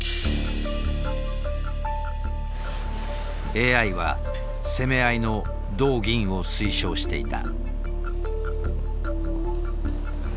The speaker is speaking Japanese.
ＡＩは攻め合いの同銀を推奨していた。